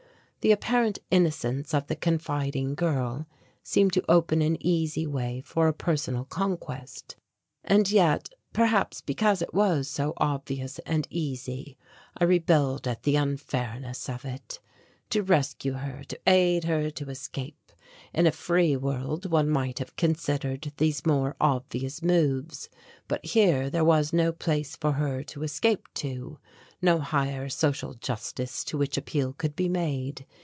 The apparent innocence of the confiding girl seemed to open an easy way for a personal conquest and yet, perhaps because it was so obvious and easy, I rebelled at the unfairness of it. To rescue her, to aid her to escape in a free world one might have considered these more obvious moves, but here there was no place for her to escape to, no higher social justice to which appeal could be made.